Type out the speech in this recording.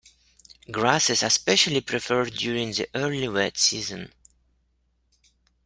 Grasses are specially preferred during the early wet season.